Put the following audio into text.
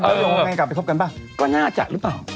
เกาหลงเกาหลงกันกันกลับไปคบกันบ้างก็น่าจะหรือเปล่า